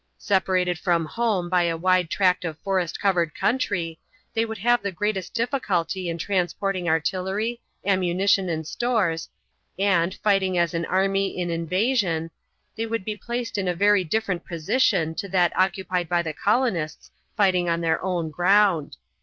Separated from home by a wide tract of forest covered country, they would have the greatest difficulty in transporting artillery, ammunition, and stores, and, fighting as an army in invasion, they would be placed in a very different position to that occupied by the colonists fighting on their own ground.